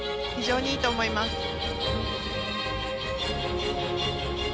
非常にいいと思います。